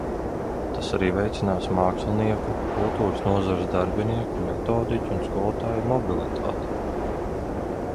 Tas arī veicinās mākslinieku, kultūras nozares darbinieku, metodiķu un skolotāju mobilitāti.